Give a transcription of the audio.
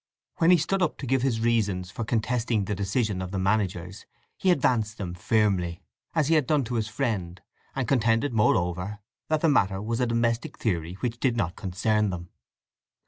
When he stood up to give his reasons for contesting the decision of the managers he advanced them firmly, as he had done to his friend, and contended, moreover, that the matter was a domestic theory which did not concern them.